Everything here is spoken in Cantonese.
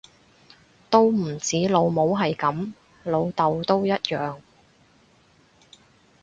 都唔止老母係噉，老竇都一樣